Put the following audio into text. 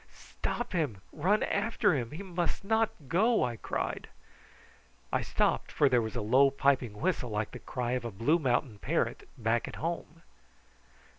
"Stop him! Run after him! He must not go," I cried. I stopped, for there was a low piping whistle like the cry of a Blue Mountain parrot back at home.